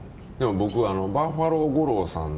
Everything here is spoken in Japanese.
僕、バッファロー吾郎さん